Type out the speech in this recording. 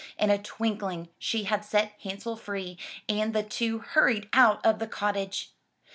In a twink ling she had set Hansel free and the two hurried out of the cottage.